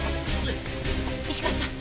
石川さん！